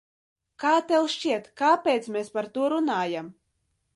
Kā tev šķiet, kāpēc mēs par to runājam?